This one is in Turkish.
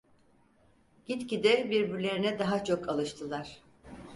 Gitgide birbirlerine daha çok alıştılar.